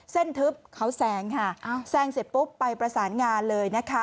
ทึบเขาแซงค่ะแซงเสร็จปุ๊บไปประสานงานเลยนะคะ